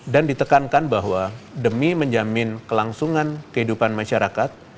dan ditekankan bahwa demi menjamin kelangsungan kehidupan masyarakat